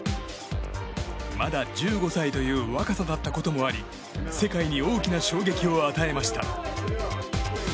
まだ１５歳という若さだったこともあり世界に大きな衝撃を与えました。